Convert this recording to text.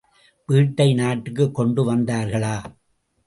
வீட்டை நாட்டுக்குக் கொண்டு வந்தார்களா?